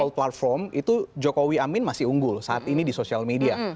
kalau platform itu jokowi amin masih unggul saat ini di sosial media